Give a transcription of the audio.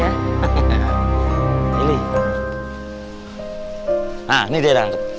nah ini dia